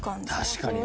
確かに。